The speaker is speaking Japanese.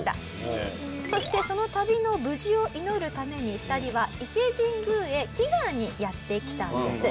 そしてその旅の無事を祈るために２人は伊勢神宮へ祈願にやって来たんです。